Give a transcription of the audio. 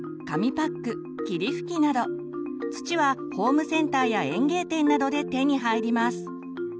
土はホームセンターや園芸店などで手に入ります。